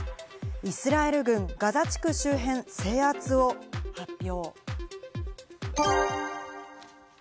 イスラエル軍、ガザ地区周辺制圧を発表。